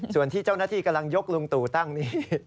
ส่วนที่เจ้าหน้าที่กำลังยกลุงตู่ตั้งนี้